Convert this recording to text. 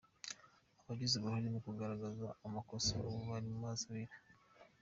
Abagize uruhare mu kugaragaza amakosa ubu bari mu mazi abira!